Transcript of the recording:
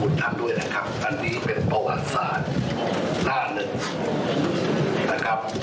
ท่านด้วยนะครับอันนี้เป็นประวัติศาสตร์หน้าหนึ่งนะครับ